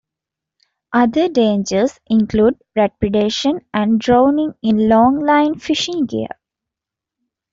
Other dangers include rat predation and drowning in longline fishing gear.